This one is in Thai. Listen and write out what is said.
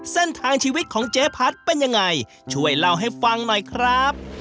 เส้นทางชีวิตของเจ๊พัดเป็นยังไงช่วยเล่าให้ฟังหน่อยครับ